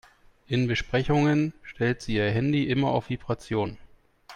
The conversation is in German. In Besprechungen stellt sie ihr Handy immer auf Vibration.